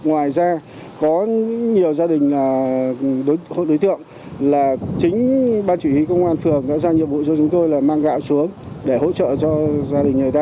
ngoài ra có nhiều gia đình là các đối tượng là chính ban chỉ huy công an phường đã giao nhiệm vụ cho chúng tôi là mang gạo xuống để hỗ trợ cho gia đình người ta